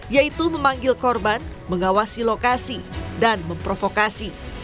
yaitu memanggil korban mengawasi lokasi dan memprovokasi